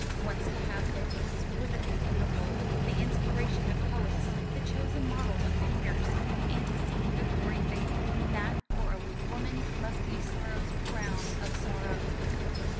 Once to have been exquisitely beautiful, the inspiration of poets, the chosen model of painters, and to see the glory fading that, for a weak woman, must be sorrow's crown of sorrow.